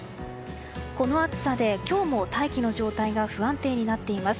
この暑さで今日も大気の状態が不安定になっています。